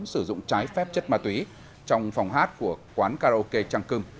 sử dụng trái phép chất ma túy trong phòng hát của quán karaoke trăng cưng